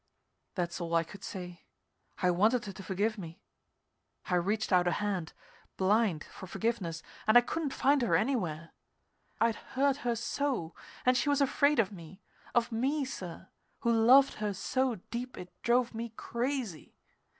That's all I could say. I wanted her to forgive me. I reached out a hand, blind, for forgiveness, and I couldn't find her anywhere. I had hurt her so, and she was afraid of me, of me, sir, who loved her so deep it drove me crazy.